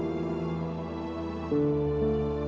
aku minta tuhan yang membantu